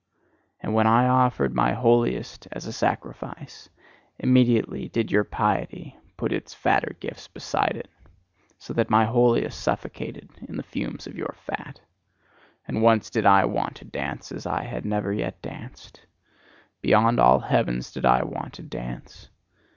And when I offered my holiest as a sacrifice, immediately did your "piety" put its fatter gifts beside it: so that my holiest suffocated in the fumes of your fat. And once did I want to dance as I had never yet danced: beyond all heavens did I want to dance.